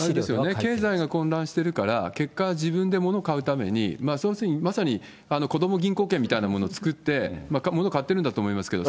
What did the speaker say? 経済が混乱しているから、結果、自分でもの買うために、まさに子ども銀行券みたいなものを作って、物を買っているんだと思うんですけれども。